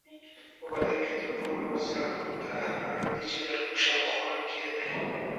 په بدن کې تر ټولو زیاته حرارت د جگر په شاوخوا کې وي.